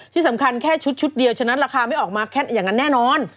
ที่สำคัญแค่ชุดเดียวฉะนั้นราคาไม่ออกมาแค่อย่างนั้นแน่นอน